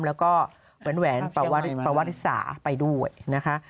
แล้วก็แหวนปราวริสาไปด้วยนะคะ